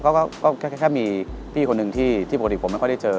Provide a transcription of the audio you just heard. ก็แค่มีพี่คนหนึ่งที่ปกติผมไม่ค่อยได้เจอ